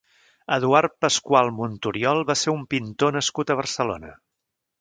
Eduard Pascual Monturiol va ser un pintor nascut a Barcelona.